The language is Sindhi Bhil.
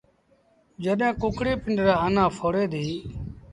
جڏهيݩ ڪڪڙيٚ پنڊرآ آنآ ڦوڙي دي۔